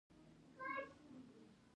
دې درملو سره کوم خواړه وخورم؟